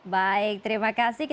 baik terima kasih